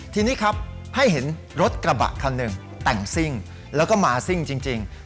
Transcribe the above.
ทีนี้ครับให้เห็นรถกระบะคันหนึ่งแต่งซิ่งแล้วก็มาซิ่งจริง